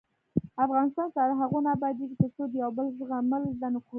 افغانستان تر هغو نه ابادیږي، ترڅو د یو بل زغمل زده نکړو.